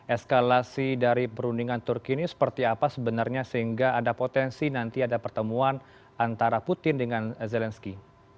eskalasi dari perundingan turki ini seperti apa sebenarnya sehingga ada potensi nanti ada pertemuan antara putin dengan zelensky